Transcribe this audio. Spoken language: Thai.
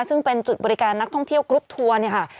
ซึ่งเป็นจุดบริการนักท่องเที่ยวกรุ๊ปทัวร์เนี่ยค่ะ